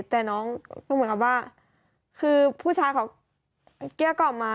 แต่น้องก็เหมือนกับว่าคือผู้ชายเขาเกลี้ยกล่อมมา